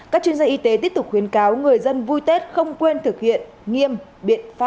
các chuyên gia y tế tiếp tục khuyến cáo người dân vui tết không quên thực hiện nghiêm biện pháp